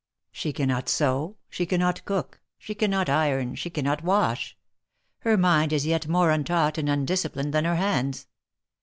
She cannot sew, she cannot cook, she cannot iron, she cannot wash. Hermindisyet more untaught and undisciplined than her hands.